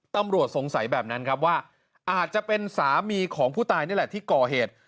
ตำรวจสงสัยแบบนั้นครับว่าอาจจะเป็นสามีของผู้ตายนี่แหละที่ก่อเหตุ